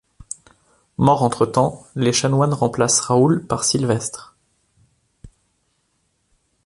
Mort entre-temps, les chanoines remplacent Raoul par Sylvestre.